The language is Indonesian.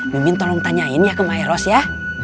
mimin tolong tanyain ya ke maeros ya